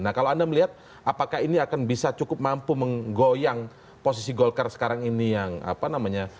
nah kalau anda melihat apakah ini akan bisa cukup mampu menggoyang posisi golkar sekarang ini yang apa namanya